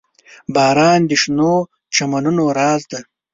• باران د شنو چمنونو راز دی.